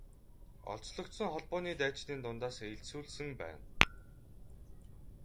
Олзлогдсон холбооны дайчдын дундаас элсүүлсэн байна.